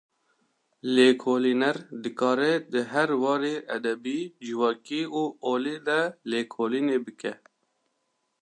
Lêkolîner, dikare di her warê edebî, civakî û olî de lêkolînê bike